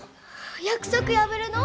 約束破るの？